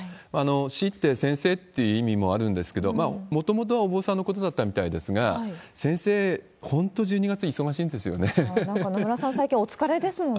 師って、先生って意味もあるんですけど、もともとはお坊さんのことだったみたいですが、先生、本当、１２月忙しいんですよね。